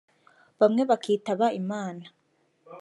bamwe bakitaba Imana